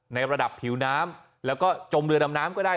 ในระดับผิวน้ำแล้วก็จมเรือดำน้ำก็ได้